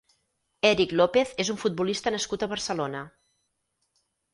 Eric López és un futbolista nascut a Barcelona.